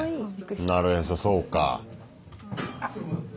なるへそそうか。